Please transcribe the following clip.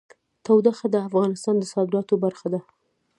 تودوخه د افغانستان د صادراتو برخه ده.